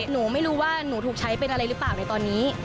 หนูไม่รู้ว่าหนูถูกใช้เป็นอะไรหรือเปล่าในตอนนี้